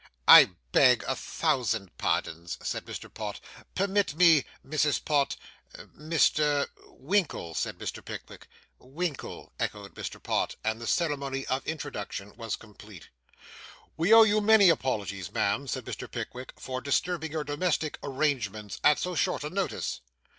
'I beg a thousand pardons,' said Mr. Pott. 'Permit me, Mrs. Pott, Mr. ' 'Winkle,' said Mr. Pickwick. 'Winkle,' echoed Mr. Pott; and the ceremony of introduction was complete. 'We owe you many apologies, ma'am,' said Mr. Pickwick, 'for disturbing your domestic arrangements at so short a notice.